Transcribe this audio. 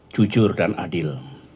jujur dan adil